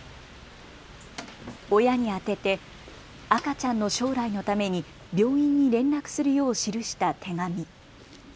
親に宛てて赤ちゃんの将来のために病院に連絡するよう記した手紙。